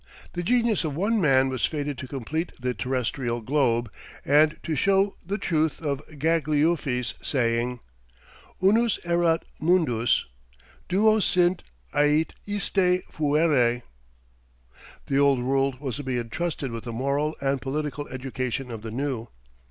The genius of one man was fated to complete the terrestrial globe, and to show the truth of Gagliuffi's saying, Unus erat mundus; duo sint, ait iste; fuere. The old world was to be entrusted with the moral and political education of the new.